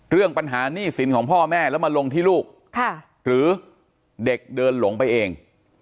เรื่องปัญหาหนี้สินของพ่อแม่แล้วมาลงที่ลูกหรือเด็กเดินหลงไปเอง